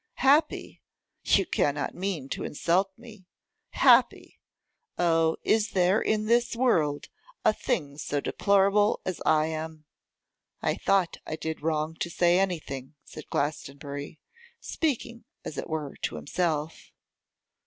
'Happy! You cannot mean to insult me. Happy! Oh, is there in this world a thing so deplorable as I am!' 'I thought I did wrong to say anything,' said Glastonbury, speaking as it were to himself.